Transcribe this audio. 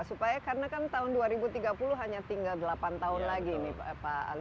supaya karena kan tahun dua ribu tiga puluh hanya tinggal delapan tahun lagi nih pak ali